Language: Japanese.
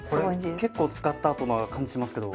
これ結構使ったあとな感じしますけど。